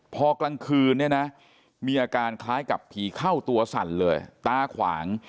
พอกลางคืนเนี่ยนะมีอาการคล้ายกับผีเข้าตัวสั่นเลยตาขวาง